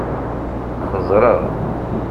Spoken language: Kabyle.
Xeẓṛeɣ.